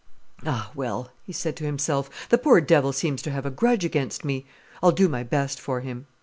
"Ah well," he said to himself; "the poor devil seems to have a grudge against me. I'll do my best for him."